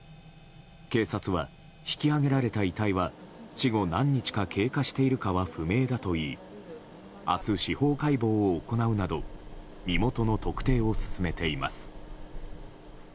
警察は引き揚げられた遺体は死後何日か経過しているかは不明だといい明日、司法解剖を行うなど身元の特定を進めています。